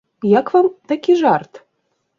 Як вам такі жарт?